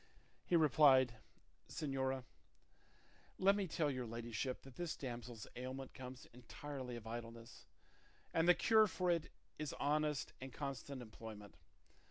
He replied, "Señora, let me tell your ladyship that this damsel's ailment comes entirely of idleness, and the cure for it is honest and constant employment.